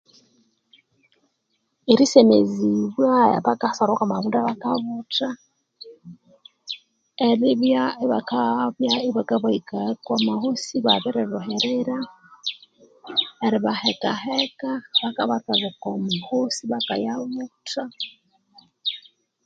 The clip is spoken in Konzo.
Erisemezibwa bakasarwaho amabunda bakabutha eribya ibaka bahikaya okwa mahosi ibabiri lhuhirira, eribahekaheka ibakabathwalha okwa ama hosi bakayabutha.